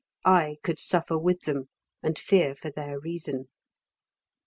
I could suffer with them and fear for their reason.